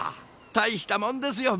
大したもんですよ